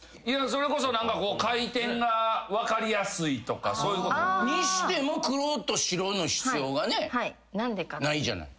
それこそ何かこう回転が分かりやすいとかそういうこと？にしても黒と白の必要がねないじゃない。